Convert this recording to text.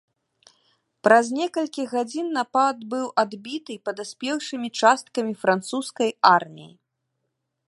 Праз некалькі гадзін напад быў адбіты падаспеўшымі часткамі французскай арміі.